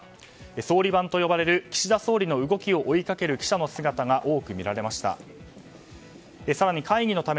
総理番と呼ばれる岸田総理の動きを追いかける記者の姿が多く見られました。